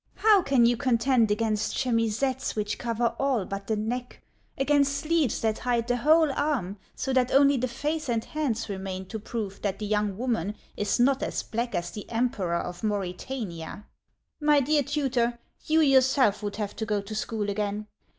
How can you contend against chemisettes which cover all but the neck, against sleeves that hide the whole arm, so that only the face and hands remain to prove that the young woman is not as black as the Emperor of Mauritania ? My dear tutor, you yourself would have to go to school again.